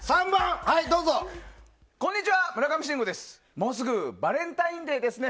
もうすぐバレンタインデーですね。